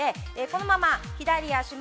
このまま左足前。